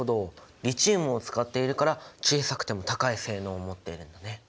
リチウムを使っているから小さくても高い性能を持っているんだね。